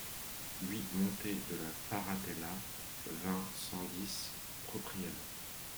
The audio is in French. huit montée de la Paratella, vingt, cent dix, Propriano